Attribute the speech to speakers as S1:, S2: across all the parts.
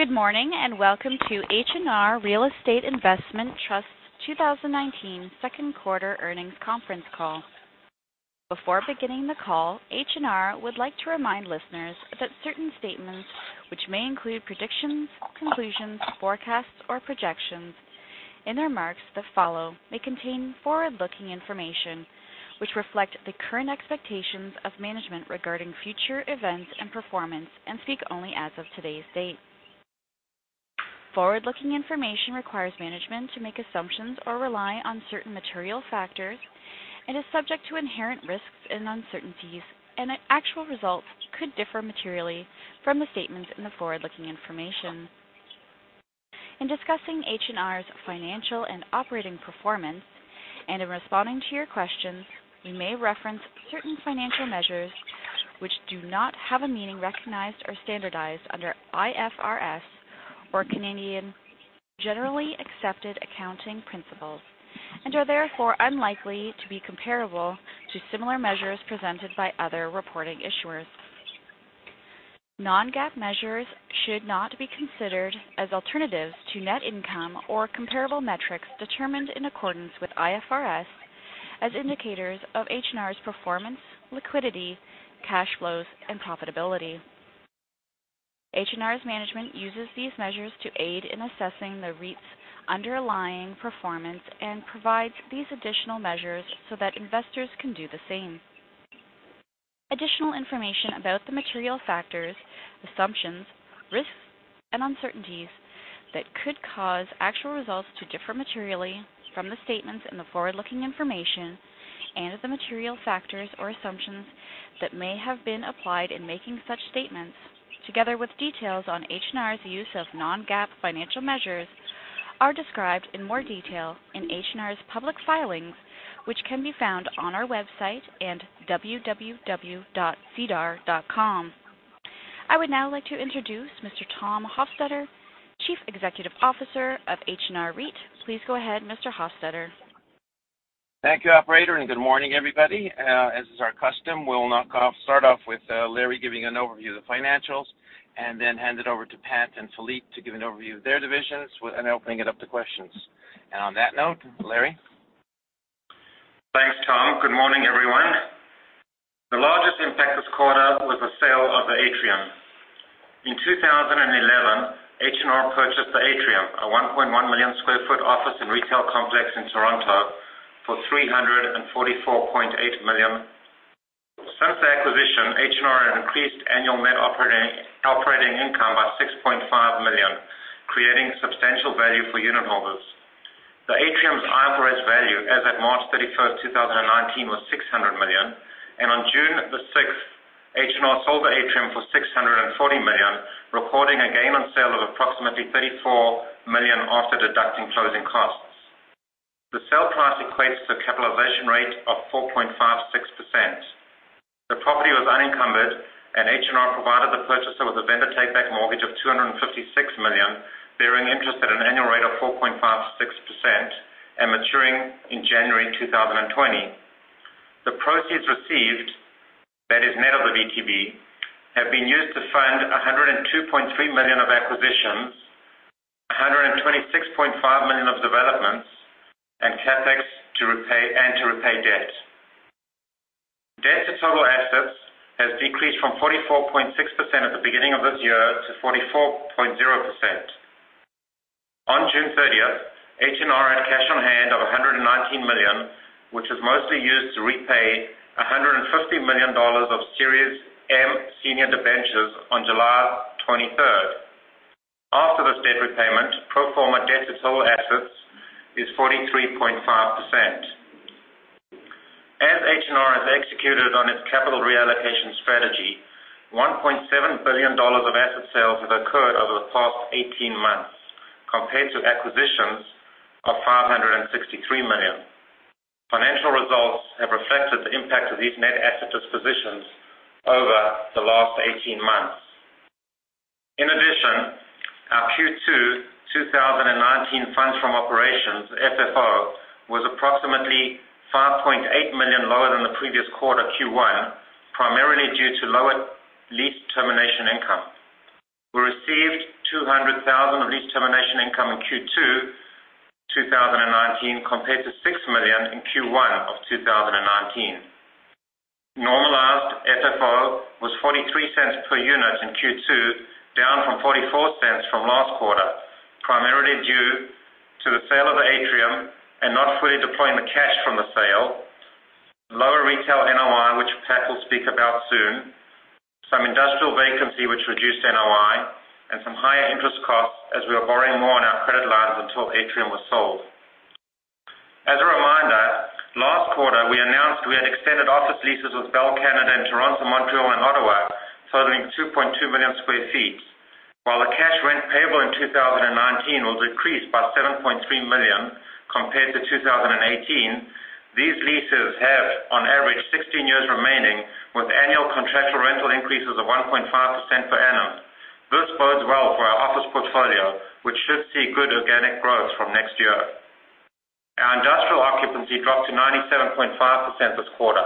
S1: Good morning. Welcome to H&R Real Estate Investment Trust 2019 second quarter earnings conference call. Before beginning the call, H&R would like to remind listeners that certain statements which may include predictions, conclusions, forecasts, or projections in remarks that follow may contain forward-looking information which reflect the current expectations of management regarding future events and performance and speak only as of today's date. Forward-looking information requires management to make assumptions or rely on certain material factors, and is subject to inherent risks and uncertainties, and actual results could differ materially from the statements in the forward-looking information. In discussing H&R's financial and operating performance, and in responding to your questions, we may reference certain financial measures which do not have a meaning recognized or standardized under IFRS or Canadian Generally Accepted Accounting Principles, and are therefore unlikely to be comparable to similar measures presented by other reporting issuers. Non-GAAP measures should not be considered as alternatives to net income or comparable metrics determined in accordance with IFRS as indicators of H&R's performance, liquidity, cash flows, and profitability. H&R's management uses these measures to aid in assessing the REIT's underlying performance and provides these additional measures so that investors can do the same. Additional information about the material factors, assumptions, risks, and uncertainties that could cause actual results to differ materially from the statements in the forward-looking information and of the material factors or assumptions that may have been applied in making such statements, together with details on H&R's use of non-GAAP financial measures, are described in more detail in H&R's public filings, which can be found on our website and www.sedar.com. I would now like to introduce Mr. Tom Hofstedter, Chief Executive Officer of H&R REIT. Please go ahead, Mr. Hofstedter.
S2: Thank you, operator, and good morning, everybody. As is our custom, we'll start off with Larry giving an overview of the financials, and then hand it over to Pat and Philippe to give an overview of their divisions, and then opening it up to questions. On that note, Larry.
S3: Thanks, Tom. Good morning, everyone. The largest impact this quarter was the sale of The Atrium. In 2011, H&R purchased The Atrium, a 1.1 million square foot office and retail complex in Toronto for CAD 344.8 million. Since the acquisition, H&R increased annual net operating income by 6.5 million, creating substantial value for unitholders. The Atrium's IFRS value as of March 31st, 2019, was 600 million, and on June the 6th, H&R sold The Atrium for 640 million, recording a gain on sale of approximately 34 million after deducting closing costs. The sale price equates to a capitalization rate of 4.56%. The property was unencumbered, and H&R provided the purchaser with a vendor take-back mortgage of CAD 256 million, bearing interest at an annual rate of 4.56%, and maturing in January 2020. The proceeds received, that is net of the VTB, have been used to fund 102.3 million of acquisitions, 126.5 million of developments, and CapEx and to repay debt. Debt to total assets has decreased from 44.6% at the beginning of this year to 44.0%. On June 30th, H&R had cash on hand of CAD 119 million, which was mostly used to repay CAD 150 million of Series M senior debentures on July 23rd. After this debt repayment, pro forma debt to total assets is 43.5%. As H&R has executed on its capital reallocation strategy, 1.7 billion dollars of asset sales have occurred over the past 18 months, compared to acquisitions of 563 million. Financial results have reflected the impact of these net asset dispositions over the last 18 months. In addition, our Q2 2019 funds from operations, FFO, was approximately 5.8 million lower than the previous quarter, Q1, primarily due to lower lease termination income. We received 200,000 of lease termination income in Q2 2019 compared to 6 million in Q1 of 2019. Normalized FFO was 0.43 per unit in Q2, down from 0.44 from last quarter, primarily due to the sale of The Atrium and not fully deploying the cash from the sale, lower retail NOI, which Pat will speak about soon, some industrial vacancy which reduced NOI, and some higher interest costs as we were borrowing more on our credit lines until The Atrium was sold. As a reminder, last quarter we announced we had extended office leases with Bell Canada in Toronto, Montreal, and Ottawa, totaling 2.2 million square feet. While the cash rent payable in 2019 was decreased by 7.3 million compared to 2018, these leases have, on average, 16 years remaining with annual contractual rental increases of 1.5% per annum. This bodes well for our office portfolio, which should see good organic growth from next year occupancy dropped to 97.5% this quarter.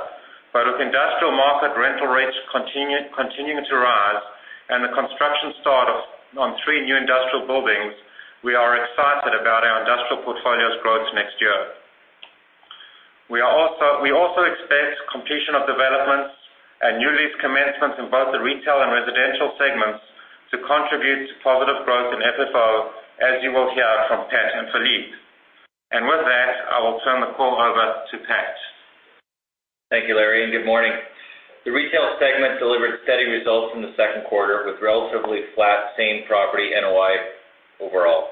S3: With industrial market rental rates continuing to rise and the construction start on three new industrial buildings, we are excited about our industrial portfolio's growth next year. We also expect completion of developments and new lease commencements in both the retail and residential segments to contribute to positive growth in FFO, as you will hear from Pat and Philippe. With that, I will turn the call over to Pat.
S4: Thank you, Larry, and good morning. The retail segment delivered steady results in the second quarter with relatively flat same property NOI overall.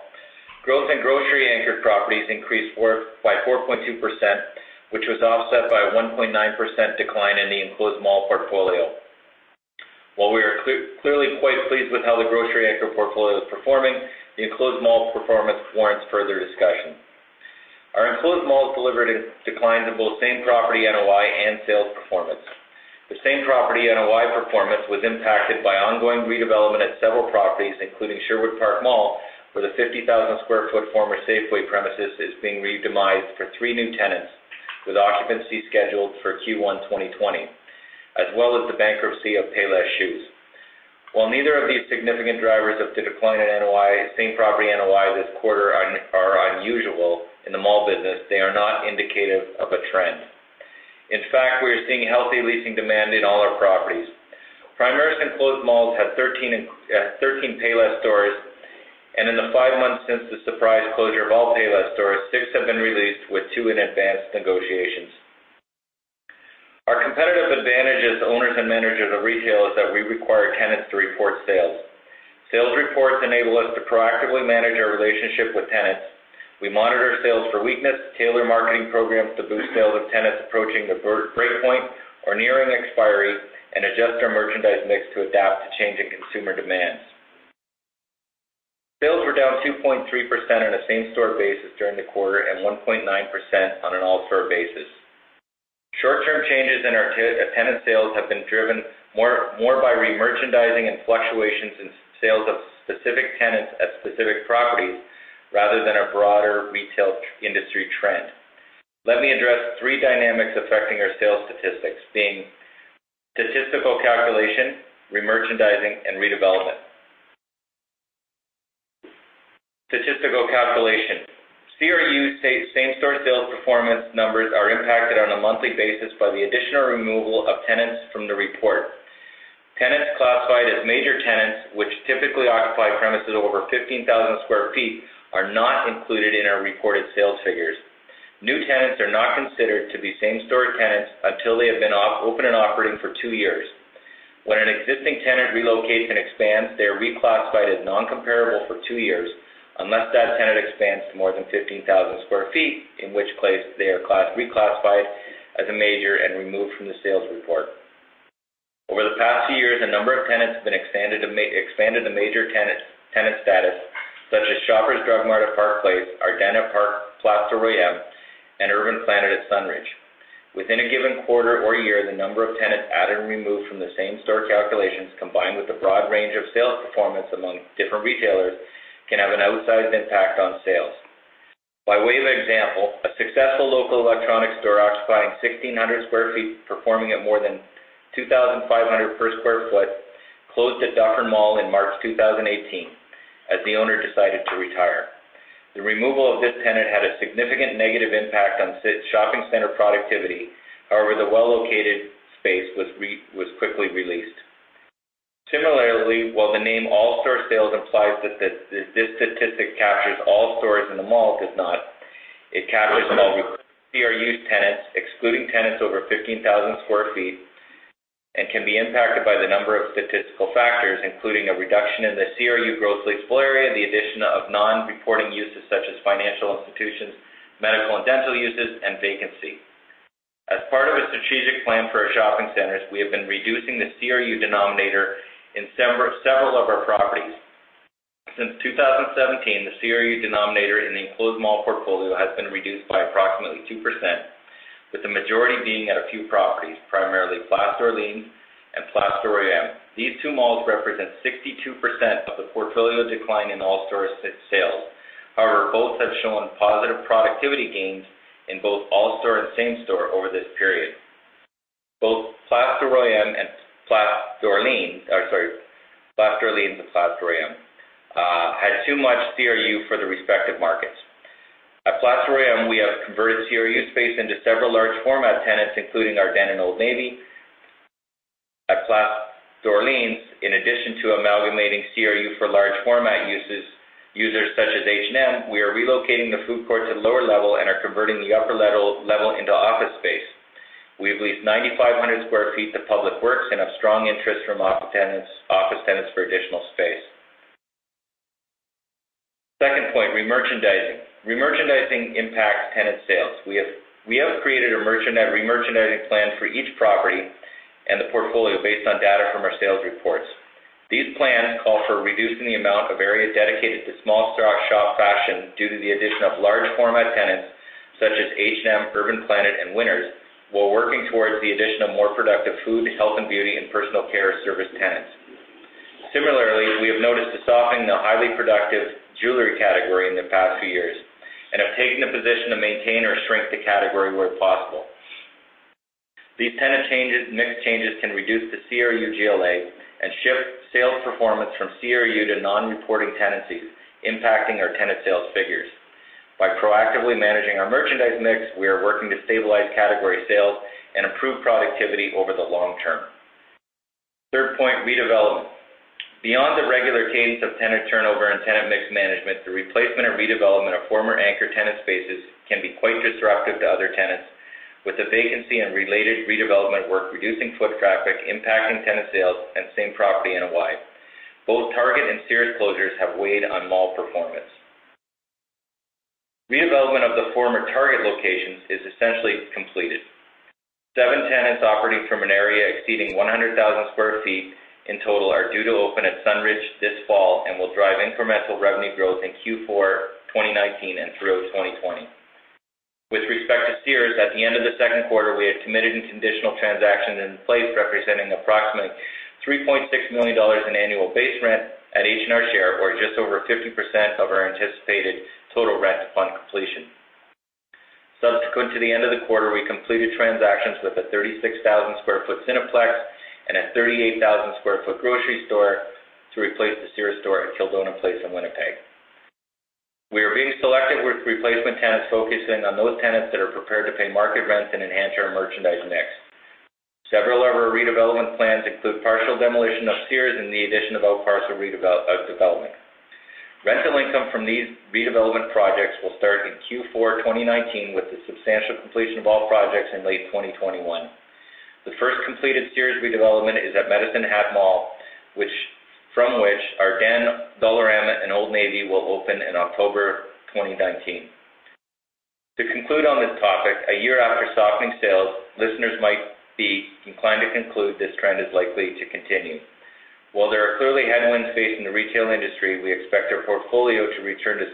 S4: Growth in grocery-anchored properties increased by 4.2%, which was offset by a 1.9% decline in the enclosed mall portfolio. While we are clearly quite pleased with how the grocery anchor portfolio is performing, the enclosed malls performance warrants further discussion. Our enclosed malls delivered declines in both same property NOI and sales performance. The same property NOI performance was impacted by ongoing redevelopment at several properties, including Sherwood Park Mall, where the 50,000 sq ft former Safeway premises is being re-demised for three new tenants with occupancy scheduled for Q1 2020, as well as the bankruptcy of Payless shoes. While neither of these significant drivers of the decline in same property NOI this quarter are unusual in the mall business, they are not indicative of a trend. In fact, we are seeing healthy leasing demand in all our properties. Primaris enclosed malls had 13 Payless stores, and in the five months since the surprise closure of all Payless stores, six have been re-leased, with two in advanced negotiations. Our competitive advantage as owners and managers of retail is that we require tenants to report sales. Sales reports enable us to proactively manage our relationship with tenants. We monitor sales for weakness, tailor marketing programs to boost sales of tenants approaching the breakpoint or nearing expiry, and adjust our merchandise mix to adapt to changing consumer demands. Sales were down 2.3% on a same-store basis during the quarter and 1.9% on an all-store basis. Short-term changes in our tenant sales have been driven more by remerchandising and fluctuations in sales of specific tenants at specific properties rather than a broader retail industry trend. Let me address three dynamics affecting our sales statistics being statistical calculation, remerchandising, and redevelopment. Statistical calculation. CRU same-store sales performance numbers are impacted on a monthly basis by the addition or removal of tenants from the report. Tenants classified as major tenants, which typically occupy premises over 15,000 sq ft, are not included in our reported sales figures. New tenants are not considered to be same-store tenants until they have been open and operating for two years. When an existing tenant relocates and expands, they are reclassified as non-comparable for two years, unless that tenant expands to more than 15,000 sq ft, in which place they are reclassified as a major and removed from the sales report. Over the past years, a number of tenants have been expanded to major tenant status, such as Shoppers Drug Mart at Park Place, Ardene at Park Place or Place d'Orleans, and Urban Planet at Sunridge. Within a given quarter or year, the number of tenants added and removed from the same-store calculations, combined with a broad range of sales performance among different retailers, can have an outsized impact on sales. By way of example, a successful local electronics store occupying 1,600 sq ft, performing at more than 2,500 per sq ft, closed at The District Docklands in March 2018 as the owner decided to retire. The removal of this tenant had a significant negative impact on shopping center productivity. The well-located space was quickly re-leased. Similarly, while the name all-store sales implies that this statistic captures all stores in the mall, it does not. It captures all CRU tenants, excluding tenants over 15,000 sq ft, and can be impacted by the number of statistical factors, including a reduction in the CRU gross leasable area, the addition of non-reporting uses such as financial institutions, medical and dental uses, and vacancy. As part of a strategic plan for our shopping centers, we have been reducing the CRU denominator in several of our properties. Since 2017, the CRU denominator in the enclosed mall portfolio has been reduced by approximately 2%, with the majority being at a few properties, primarily Place d'Orleans. These two malls represent 62% of the portfolio decline in all-store sales. However, both have shown positive productivity gains in both all-store and same-store over this period. Both Place d'Orleans Sorry, Place d'Orleans had too much CRU for the respective markets. At Place d'Orleans, we have converted CRU space into several large format tenants, including Ardene and Old Navy. At Place d'Orleans, in addition to amalgamating CRU for large format users such as H&M, we are relocating the food court to lower level and are converting the upper level into office space. We have leased 9,500 sq ft to Public Works and have strong interest from office tenants for additional space. Second point, remerchandising impacts tenant sales. We have created a remerchandising plan for each property and the portfolio based on data from our sales reports. These plans call for reducing the amount of area dedicated to small stock shop fashion due to the addition of large format tenants such as H&M, Urban Planet, and Winners, while working towards the addition of more productive food, health and beauty, and personal care service tenants. Similarly, in the highly productive jewelry category in the past few years, we have taken the position to maintain or strengthen the category where possible. These tenant mix changes can reduce the CRU GLA and shift sales performance from CRU to non-reporting tenancies, impacting our tenant sales figures. By proactively managing our merchandise mix, we are working to stabilize category sales and improve productivity over the long term. Third point, redevelopment. Beyond the regular cadence of tenant turnover and tenant mix management, the replacement or redevelopment of former anchor tenant spaces can be quite disruptive to other tenants with a vacancy and related redevelopment work reducing foot traffic, impacting tenant sales, and same property NOI. Both Target and Sears closures have weighed on mall performance. Redevelopment of the former Target locations is essentially completed. Seven tenants operating from an area exceeding 100,000 sq ft in total are due to open at Sunridge this fall and will drive incremental revenue growth in Q4 2019 and through 2020. With respect to Sears, at the end of the second quarter, we had committed a conditional transaction in place representing approximately 3.6 million dollars in annual base rent at H&R Share, or just over 50% of our anticipated total rent upon completion. Subsequent to the end of the quarter, we completed transactions with a 36,000 sq ft Cineplex and a 38,000 sq ft grocery store to replace the Sears store at Kildonan Place in Winnipeg. We are being selective with replacement tenants, focusing on those tenants that are prepared to pay market rents and enhance our merchandise mix. Several of our redevelopment plans include partial demolition of Sears and the addition of outparcel development. Rental income from these redevelopment projects will start in Q4 2019, with the substantial completion of all projects in late 2021. The first completed Sears redevelopment is at Medicine Hat Mall, from which our Dollarama and Old Navy will open in October 2019. To conclude on this topic, a year after softening sales, listeners might be inclined to conclude this trend is likely to continue. While there are clearly headwinds facing the retail industry, we expect our portfolio to return to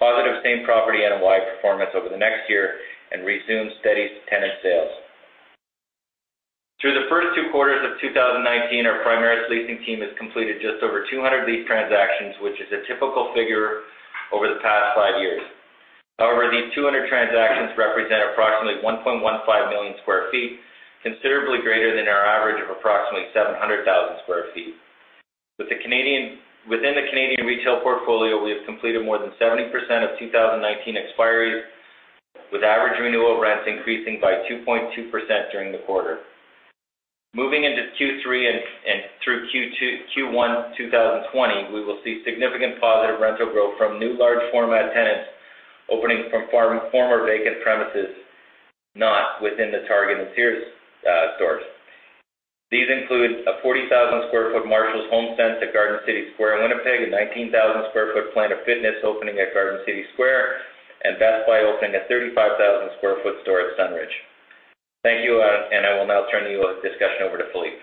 S4: positive same property NOI performance over the next year and resume steady tenant sales. Through the first two quarters of 2019, our Primaris leasing team has completed just over 200 lease transactions, which is a typical figure over the past five years. These 200 transactions represent approximately 1.15 million sq ft, considerably greater than our average of approximately 700,000 sq ft. Within the Canadian retail portfolio, we have completed more than 70% of 2019 expiries, with average renewal rents increasing by 2.2% during the quarter. Moving into Q3 and through Q1 2020, we will see significant positive rental growth from new large format tenants opening from former vacant premises, not within the Target and Sears stores. These include a 40,000 sq ft Marshalls/HomeSense at Garden City Square in Winnipeg, a 19,000 sq ft Planet Fitness opening at Garden City Square, and Best Buy opening a 35,000 sq ft store at Sunridge. Thank you. I will now turn the discussion over to Philippe.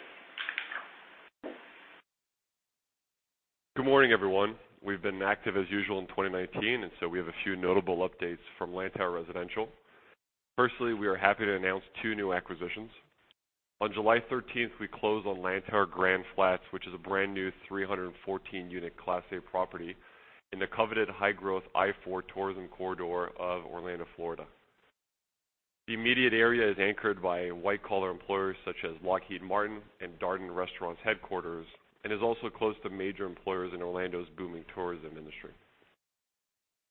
S5: Good morning, everyone. We have a few notable updates from Lantower Residential. Firstly, we are happy to announce two new acquisitions. On July 13th, we closed on Lantower Grande Flats, which is a brand-new 314-unit Class A property in the coveted high-growth I-4 tourism corridor of Orlando, Florida. The immediate area is anchored by white-collar employers such as Lockheed Martin and Darden Restaurants headquarters and is also close to major employers in Orlando's booming tourism industry.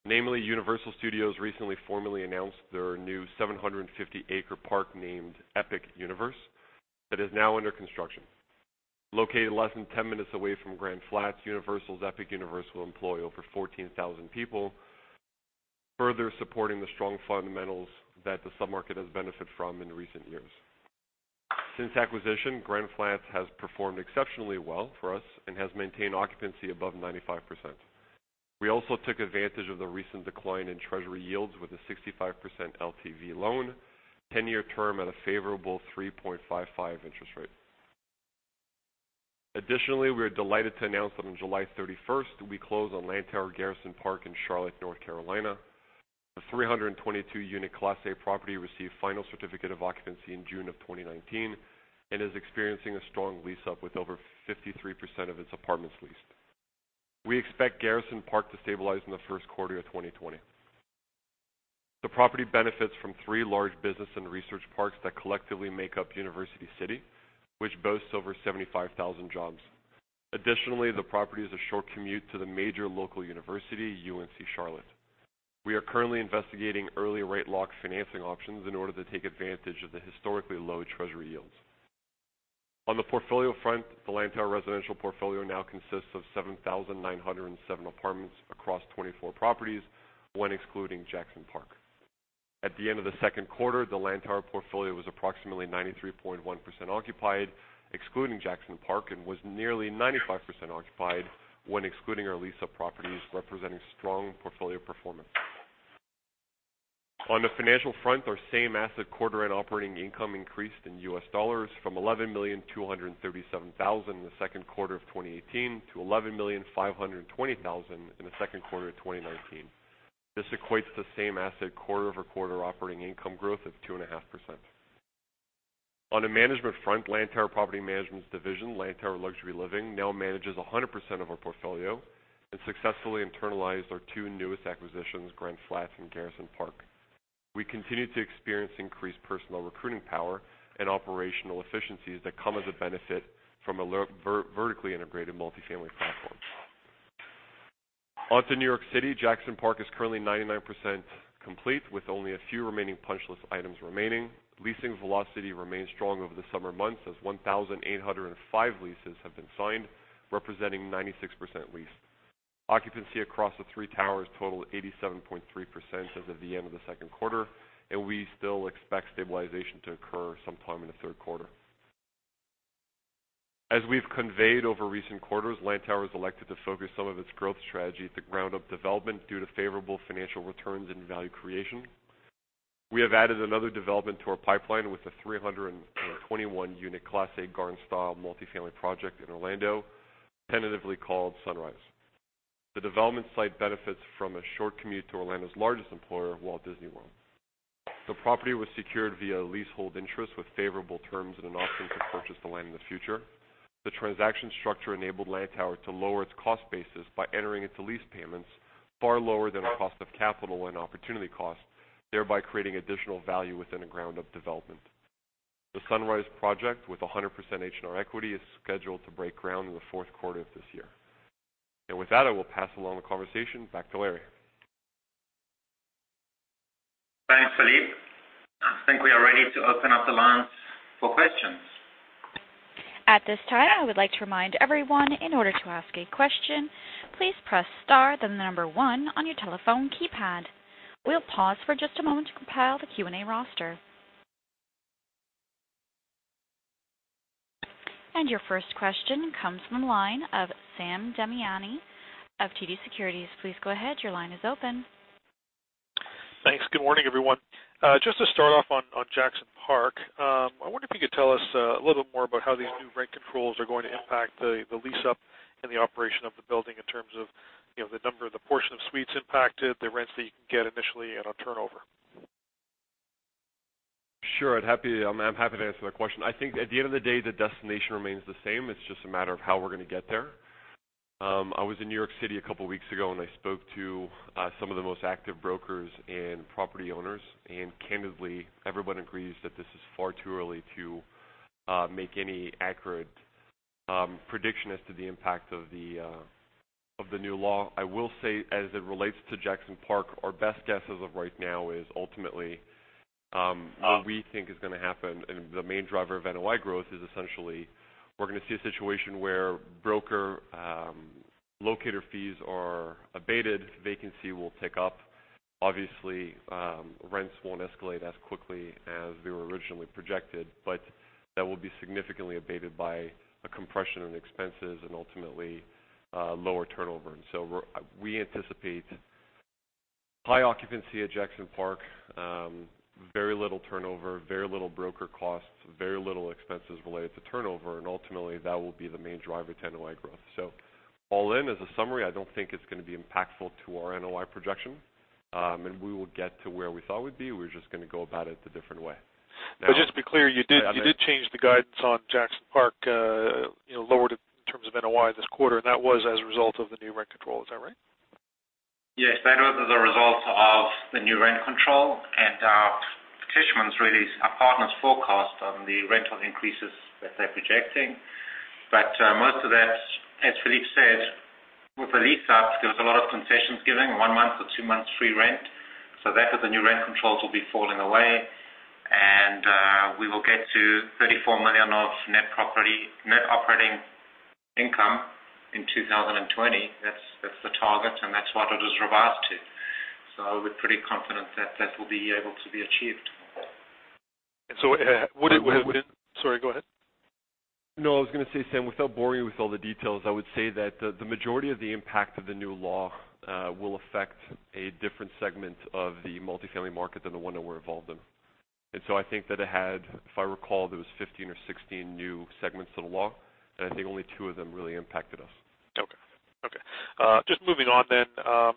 S5: Namely, Universal Studios recently formally announced their new 750-acre park named Epic Universe that is now under construction. Located less than 10 minutes away from Grande Flats, Universal's Epic Universe will employ over 14,000 people, further supporting the strong fundamentals that the sub-market has benefited from in recent years. Since acquisition, Grande Flats has performed exceptionally well for us and has maintained occupancy above 95%. We also took advantage of the recent decline in Treasury yields with a 65% LTV loan, 10-year term at a favorable 3.55 interest rate. Additionally, we are delighted to announce that on July 31st, we closed on Lantower Garrison Park in Charlotte, North Carolina. The 322-unit Class A property received final certificate of occupancy in June of 2019 and is experiencing a strong lease-up with over 53% of its apartments leased. We expect Garrison Park to stabilize in the first quarter of 2020. The property benefits from three large business and research parks that collectively make up University City, which boasts over 75,000 jobs. Additionally, the property is a short commute to the major local university, UNC Charlotte. We are currently investigating early rate lock financing options in order to take advantage of the historically low Treasury yields. On the portfolio front, the Lantower residential portfolio now consists of 7,907 apartments across 24 properties, when excluding Jackson Park. At the end of the second quarter, the Lantower portfolio was approximately 93.1% occupied, excluding Jackson Park, and was nearly 95% occupied when excluding our lease-up properties, representing strong portfolio performance. On the financial front, our same asset quarter and operating income increased in US dollars from $11,237,000 in the second quarter of 2018 to $11,520,000 in the second quarter of 2019. This equates to same asset quarter-over-quarter operating income growth of 2.5%. On the management front, Lantower's property management division, Lantower Luxury Living, now manages 100% of our portfolio and successfully internalized our two newest acquisitions, Grande Flats and Garrison Park. We continue to experience increased personal recruiting power and operational efficiencies that come as a benefit from a vertically integrated multifamily platform. On to New York City, Jackson Park is currently 99% complete with only a few remaining punch list items remaining. Leasing velocity remains strong over the summer months as 1,805 leases have been signed, representing 96% leased. Occupancy across the three towers total 87.3% as of the end of the second quarter, and we still expect stabilization to occur sometime in the third quarter. As we've conveyed over recent quarters, Lantower has elected to focus some of its growth strategy at the ground-up development due to favorable financial returns and value creation. We have added another development to our pipeline with a 321-unit Class A garden-style multifamily project in Orlando, tentatively called Sunrise. The development site benefits from a short commute to Orlando's largest employer, Walt Disney World. The property was secured via a leasehold interest with favorable terms and an option to purchase the land in the future. The transaction structure enabled Lantower to lower its cost basis by entering into lease payments far lower than our cost of capital and opportunity cost, thereby creating additional value within a ground-up development. The Sunrise project, with 100% H&R equity, is scheduled to break ground in the fourth quarter of this year. With that, I will pass along the conversation back to Larry.
S3: Thanks, Philippe. I think we are ready to open up the lines for questions.
S1: At this time, I would like to remind everyone, in order to ask a question, please press star, then the number one on your telephone keypad. We'll pause for just a moment to compile the Q&A roster. Your first question comes from the line of Sam Damiani of TD Securities. Please go ahead. Your line is open.
S6: Thanks. Good morning, everyone. Just to start off on Jackson Park, I wonder if you could tell us a little bit more about how these new rent controls are going to impact the lease-up and the operation of the building in terms of the number, the portion of suites impacted, the rents that you can get initially, and on turnover?
S5: Sure. I'm happy to answer that question. I think at the end of the day, the destination remains the same. It's just a matter of how we're going to get there. I was in New York City a couple of weeks ago and I spoke to some of the most active brokers and property owners, and candidly, everyone agrees that this is far too early to make any accurate prediction as to the impact of the new law. I will say, as it relates to Jackson Park, our best guess as of right now is ultimately what we think is going to happen, and the main driver of NOI growth is essentially we're going to see a situation where broker/locator fees are abated, vacancy will tick up. Obviously, rents won't escalate as quickly as they were originally projected, but that will be significantly abated by a compression in expenses and ultimately lower turnover. We anticipate high occupancy at Jackson Park, very little turnover, very little broker costs, very little expenses related to turnover, and ultimately, that will be the main driver to NOI growth. All in, as a summary, I don't think it's going to be impactful to our NOI projection. We will get to where we thought we'd be. We're just going to go about it a different way.
S6: Just to be clear, you did change the guidance on Jackson Park, lowered it in terms of NOI this quarter, and that was as a result of the new rent control. Is that right?
S3: Yes, that was as a result of the new rent control and our tenants really, our partners forecast on the rental increases that they're projecting. Most of that, as Philippe said, with the lease up, there was a lot of concessions given, one month or two months free rent. That, with the new rent controls, will be falling away, and we will get to 34 million of net operating income in 2020. That's the target, and that's what it is revised to. We're pretty confident that that will be able to be achieved.
S6: Sorry, go ahead.
S5: No, I was going to say, Sam, without boring you with all the details, I would say that the majority of the impact of the new law will affect a different segment of the multifamily market than the one that we're involved in. I think that it had, if I recall, there was 15 or 16 new segments to the law, and I think only two of them really impacted us.
S6: Okay. Just moving on then. The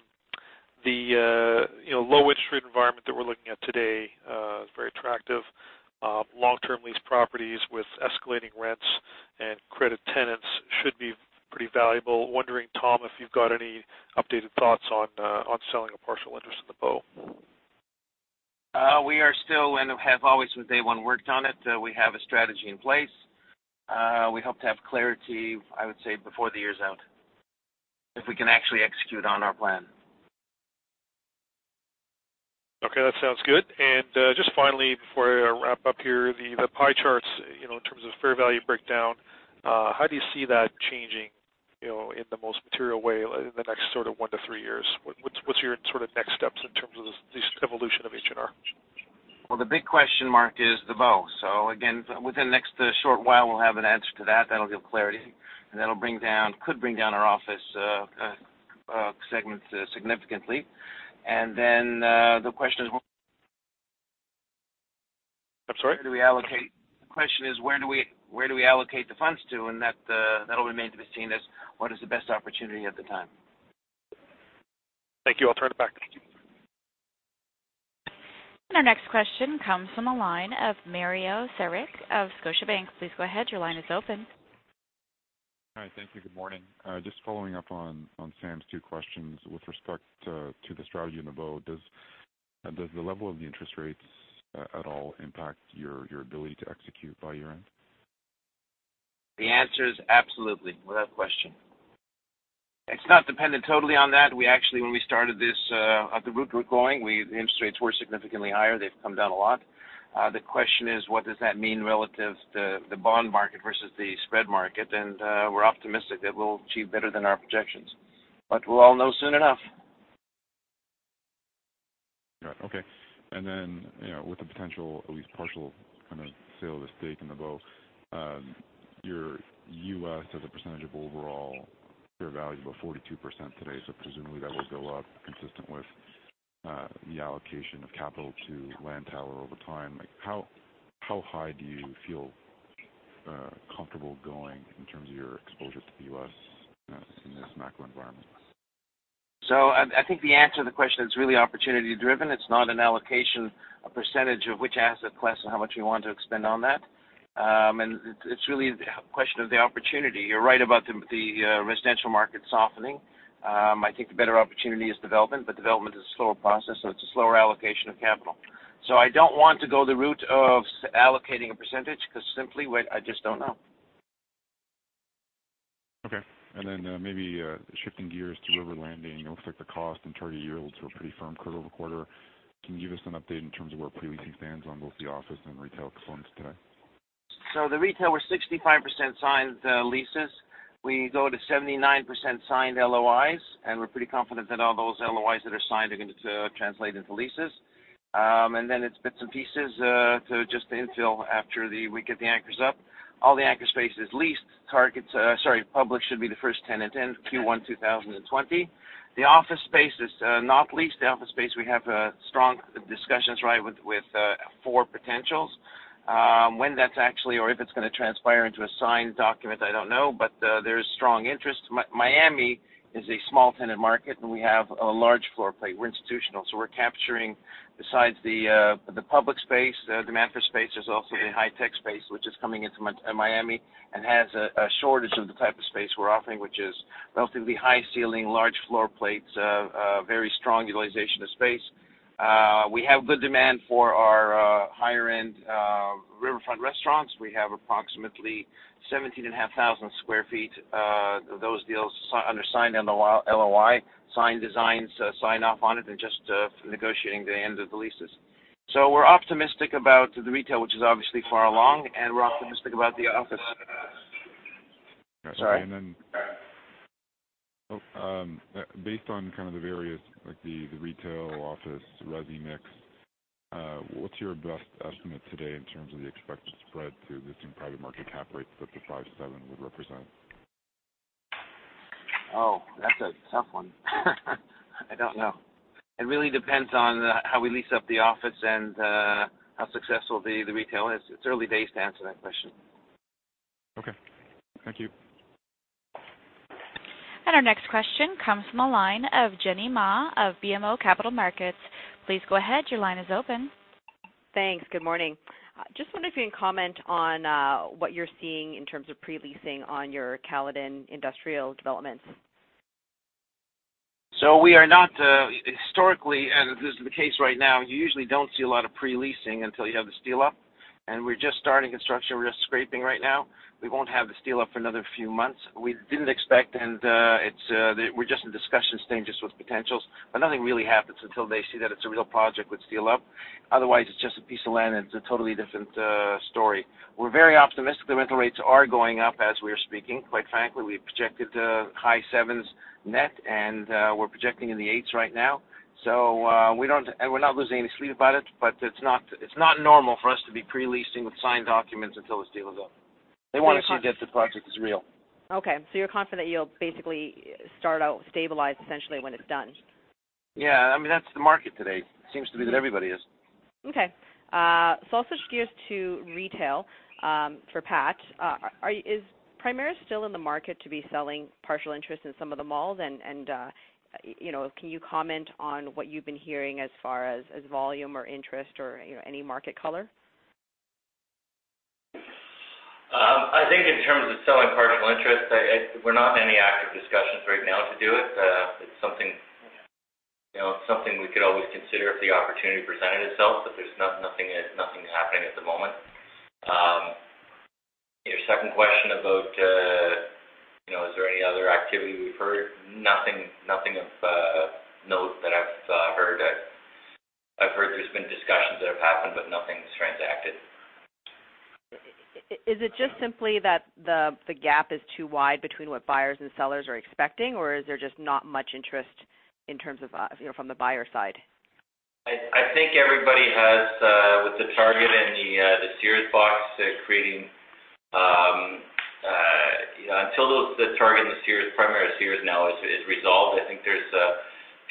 S6: low interest rate environment that we're looking at today is very attractive. Long-term lease properties with escalating rents and credit tenants should be pretty valuable. Wondering, Tom, if you've got any updated thoughts on selling a partial interest in The Bow.
S2: We are still and have always from day one worked on it. We have a strategy in place. We hope to have clarity, I would say, before the year is out if we can actually execute on our plan.
S6: Okay. That sounds good. Just finally, before I wrap up here, the pie charts in terms of fair value breakdown, how do you see that changing in the most material way in the next sort of one to three years? What's your sort of next steps in terms of the evolution of H&R?
S2: Well, the big question mark is The Bow. Again, within the next short while, we'll have an answer to that. That'll give clarity, and that could bring down our office segment significantly. The question is.
S6: I'm sorry?
S2: The question is, where do we allocate the funds to? That'll remain to be seen as what is the best opportunity at the time. Thank you. I'll turn it back.
S1: Our next question comes from the line of Mario Saric of Scotiabank. Please go ahead. Your line is open.
S7: Hi. Thank you. Good morning. Just following up on Sam's two questions with respect to the strategy and the BMO. Does the level of the interest rates at all impact your ability to execute by year-end?
S2: The answer is absolutely, without question. It's not dependent totally on that. When we started this, at the route we were going, the interest rates were significantly higher. They've come down a lot. The question is, what does that mean relative to the bond market versus the spread market? We're optimistic that we'll achieve better than our projections, but we'll all know soon enough.
S7: Right. Okay. With the potential, at least partial kind of sale of the stake in The Bow, your U.S. as a percentage of overall share value is about 42% today, so presumably that will go up consistent with the allocation of capital to Lantower over time. How high do you feel comfortable going in terms of your exposure to the U.S. in this macro environment?
S2: I think the answer to the question is really opportunity-driven. It's not an allocation, a percentage of which asset class and how much we want to expend on that. It's really the question of the opportunity. You're right about the residential market softening. I think the better opportunity is development, but development is a slower process, so it's a slower allocation of capital. I don't want to go the route of allocating a percentage because simply, I just don't know.
S7: Okay. Maybe shifting gears to River Landing. It looks like the cost and target yields were pretty firm quarter-over-quarter. Can you give us an update in terms of where pre-leasing stands on both the office and retail components today?
S2: The retail, we're 65% signed leases. We go to 79% signed LOIs, and we're pretty confident that all those LOIs that are signed are going to translate into leases. It's bits and pieces to just infill after we get the anchors up. All the anchor space is leased. Publix should be the first tenant in Q1 2020. The office space is not leased. The office space, we have strong discussions with four potentials. When that's actually, or if it's going to transpire into a signed document, I don't know, but there is strong interest. Miami is a small tenant market, and we have a large floor plate. We're institutional. We're capturing besides the public space, the demand for space is also the high-tech space, which is coming into Miami and has a shortage of the type of space we're offering, which is relatively high ceiling, large floor plates, very strong utilization of space. We have good demand for our higher-end riverfront restaurants. We have approximately 17,500 sq ft. Those deals under signed LOI, signed designs, sign off on it, they're just negotiating the end of the leases. We're optimistic about the retail, which is obviously far along, and we're optimistic about the office.
S7: That's fine. Based on kind of the various, like the retail, office, resi mix, what's your best estimate today in terms of the expected spread to listing private market cap rates that the five-seven would represent?
S2: Oh, that's a tough one. I don't know. It really depends on how we lease up the office and how successful the retail is. It's early days to answer that question.
S7: Okay. Thank you.
S1: Our next question comes from the line of Jenny Ma of BMO Capital Markets. Please go ahead. Your line is open.
S8: Thanks. Good morning. Just wondering if you can comment on what you're seeing in terms of pre-leasing on your Caledon industrial developments?
S2: We are not, historically, and this is the case right now, you usually don't see a lot of pre-leasing until you have the steel up. We're just starting construction. We're just scraping right now. We won't have the steel up for another few months. We didn't expect, we're just in discussions then just with potentials. Nothing really happens until they see that it's a real project with steel up. Otherwise, it's just a piece of land, and it's a totally different story. We're very optimistic the rental rates are going up as we are speaking. Quite frankly, we projected high sevens net, and we're projecting in the eights right now. We're not losing any sleep about it, but it's not normal for us to be pre-leasing with signed documents until the steel is up. They want to see that the project is real.
S8: Okay, you're confident you'll basically start out stabilized essentially when it's done.
S2: Yeah. That's the market today. Seems to be that everybody is.
S8: Okay. I'll switch gears to retail for Pat. Is Primaris still in the market to be selling partial interest in some of the malls? Can you comment on what you've been hearing as far as volume or interest or any market color?
S4: I think in terms of selling partial interest, we're not in any active discussions right now to do it. It's something we could always consider if the opportunity presented itself, but there's nothing happening at the moment. Your second question about is there any other activity we've heard? Nothing of note that I've heard. I've heard there's been discussions that have happened, but nothing's transacted.
S8: Is it just simply that the gap is too wide between what buyers and sellers are expecting, or is there just not much interest in terms of from the buyer side?
S4: Until the Target and the Primaris Sears now is resolved, I think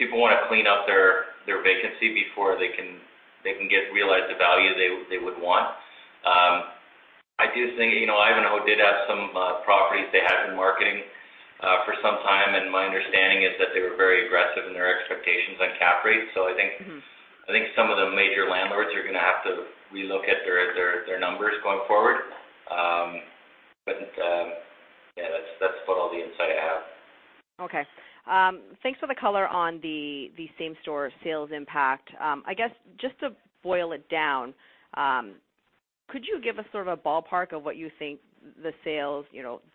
S4: people want to clean up their vacancy before they can realize the value they would want. I do think Ivanhoé did have some properties they had been marketing for some time, and my understanding is that they were very aggressive in their expectations on cap rates. I think some of the major landlords are going to have to relook at their numbers going forward. Yeah, that's about all the insight I have.
S8: Thanks for the color on the same-store sales impact. I guess, just to boil it down, could you give us sort of a ballpark of what you think the sales,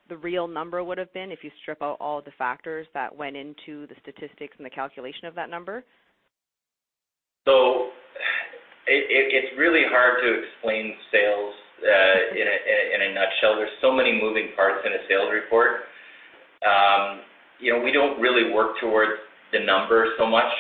S8: the real number would've been if you strip out all the factors that went into the statistics and the calculation of that number?
S4: It's really hard to explain sales in a nutshell. There's so many moving parts in a sales report. We don't really work towards the number so much.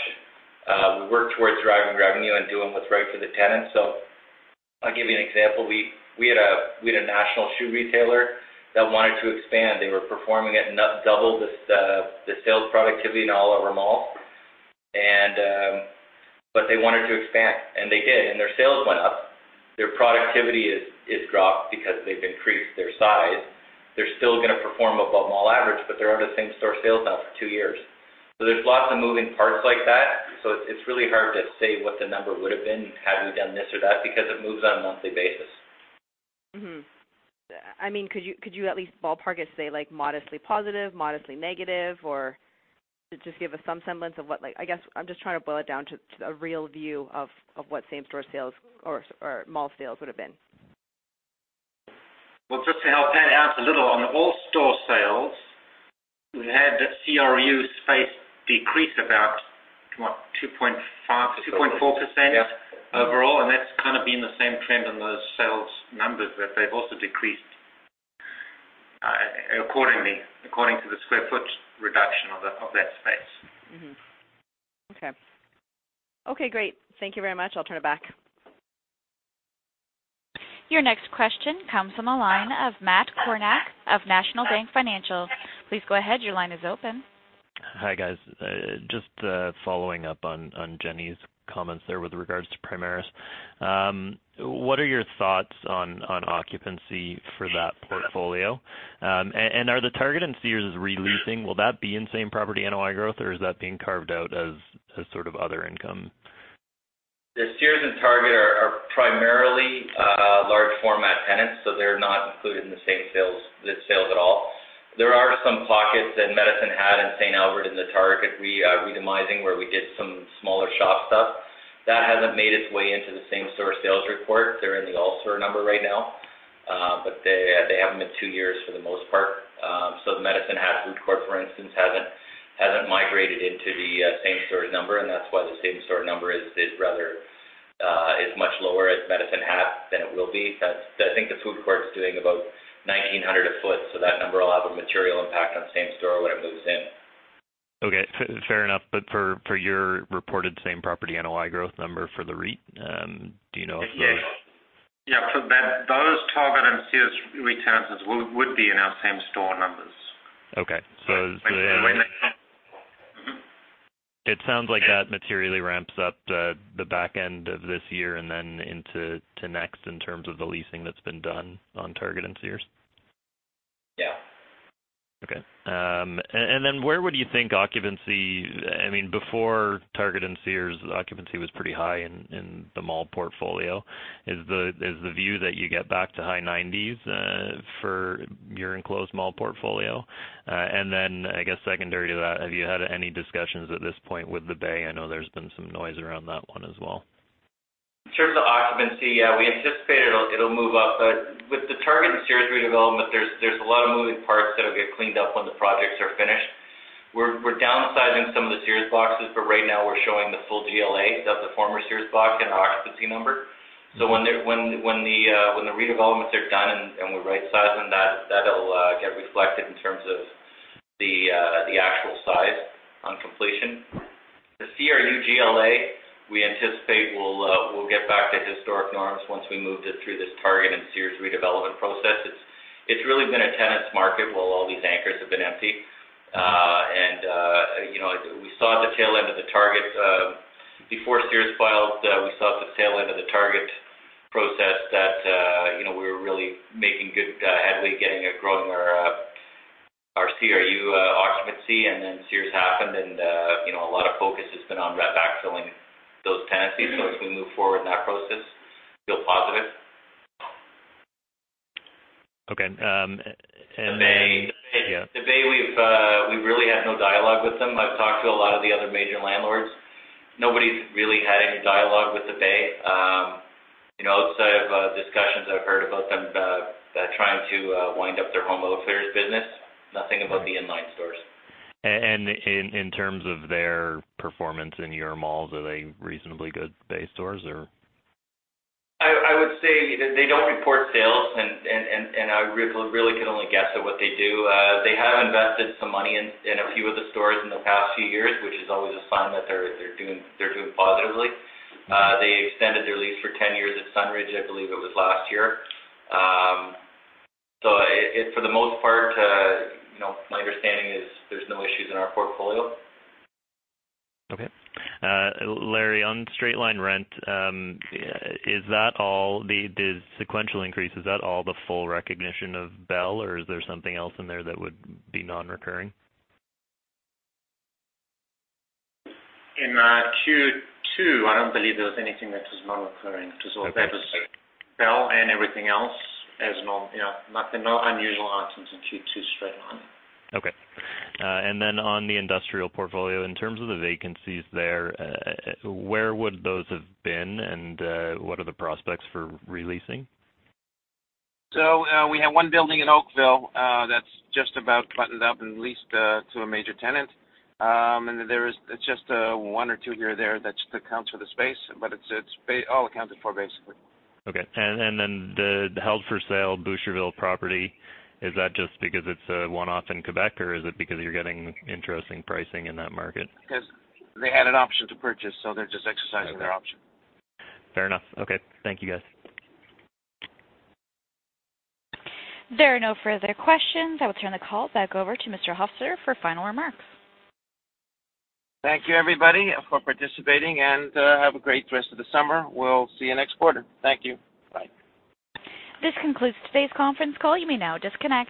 S4: We work towards driving revenue and doing what's right for the tenants. I'll give you an example. We had a national shoe retailer that wanted to expand. They were performing at double the sales productivity in all of our malls. They wanted to expand, and they did, and their sales went up. Their productivity has dropped because they've increased their size. They're still going to perform above mall average, but they're under same-store sales now for two years. There's lots of moving parts like that, so it's really hard to say what the number would've been had we done this or that because it moves on a monthly basis.
S8: Could you at least ballpark it, say, modestly positive, modestly negative, or just give us some semblance of what I guess I'm just trying to boil it down to a real view of what same-store sales or mall sales would've been?
S3: Well, just to help that out a little, on the all store sales, we had CRU space decrease about, what, 2.5%, 2.4% overall.
S4: Yeah.
S3: That's kind of been the same trend on those sales numbers, that they've also decreased accordingly, according to the square foot reduction of that space.
S8: Okay, great. Thank you very much. I'll turn it back.
S1: Your next question comes from the line of Matt Kornack of National Bank Financial. Please go ahead, your line is open.
S9: Hi, guys. Just following up on Jenny's comments there with regards to Primaris. What are your thoughts on occupancy for that portfolio? Are the Target and Sears re-leasing, will that be in same-property NOI growth, or is that being carved out as sort of other income?
S4: The Sears and Target are primarily large format tenants, so they're not included in the same sales at all. There are some pockets in Medicine Hat and St. Albert in the Target redemising where we did some smaller shop stuff. That hasn't made its way into the same-store sales report. They're in the all store number right now. They haven't been two years for the most part. The Medicine Hat food court, for instance, hasn't migrated into the same-store number, and that's why the same-store number is much lower at Medicine Hat than it will be. I think the food court's doing about 1,900 a foot, so that number will have a material impact on same store when it moves in.
S9: Okay. Fair enough. For your reported same-property NOI growth number for the REIT, do you know if those.
S3: Yeah. For those Target and Sears retenancies would be in our same-store numbers.
S9: Okay.
S4: When they come. Mm-hmm.
S9: It sounds like that materially ramps up the back end of this year and then into next in terms of the leasing that's been done on Target and Sears.
S4: Yeah.
S9: Okay. Where would you think occupancy Before Target and Sears, occupancy was pretty high in the mall portfolio. Is the view that you get back to high nineties for your enclosed mall portfolio? I guess secondary to that, have you had any discussions at this point with The Bay? I know there's been some noise around that one as well.
S4: In terms of occupancy, yeah, we anticipate it'll move up. With the Target and Sears redevelopment, there's a lot of moving parts that'll get cleaned up when the projects are finished. We're downsizing some of the Sears boxes, but right now we're showing the full GLA of the former Sears box in our occupancy number. When the redevelopments are done and we're rightsizing that'll get reflected in terms of the actual size on completion. The CRU GLA, we anticipate will get back to historic norms once we moved it through this Target and Sears redevelopment process. It's really been a tenant's market while all these anchors have been empty. We saw at the tail end of the Target, before Sears filed, we saw at the tail end of the Target process that we were really making good headway growing our CRU occupancy. Sears happened, and a lot of focus has been on backfilling those tenancies. As we move forward in that process, feel positive.
S9: Okay.
S4: The Bay.
S9: Yeah.
S4: The Bay, we've really had no dialogue with them. I've talked to a lot of the other major landlords. Nobody's really had any dialogue with The Bay. Outside of discussions, I've heard about them trying to wind up their Home Outfitters business. Nothing about the inline stores.
S9: In terms of their performance in your malls, are they reasonably good Bay stores, or?
S4: I would say they don't report sales, and I really could only guess at what they do. They have invested some money in a few of the stores in the past few years, which is always a sign that they're doing positively. They extended their lease for 10 years at Sunridge, I believe it was last year. For the most part, my understanding is there's no issues in our portfolio.
S9: Okay. Larry, on straight-line rent, the sequential increase, is that all the full recognition of Bell, or is there something else in there that would be non-recurring?
S3: In Q2, I don't believe there was anything that was non-recurring.
S9: Okay.
S3: That was Bell and everything else as normal. There are no unusual items in Q2 straight line.
S9: Okay. On the industrial portfolio, in terms of the vacancies there, where would those have been, and what are the prospects for re-leasing?
S3: We have one building in Oakville that's just about buttoned up and leased to a major tenant. There is just one or two here or there that accounts for the space, but it's all accounted for, basically.
S9: Okay. Then the held-for-sale Boucherville property, is that just because it's a one-off in Quebec, or is it because you're getting interesting pricing in that market?
S3: They had an option to purchase, so they're just exercising their option.
S9: Okay. Fair enough. Okay. Thank you, guys.
S1: There are no further questions. I will turn the call back over to Mr. Hofstedter for final remarks.
S2: Thank you, everybody, for participating, and have a great rest of the summer. We'll see you next quarter. Thank you. Bye.
S1: This concludes today's conference call. You may now disconnect.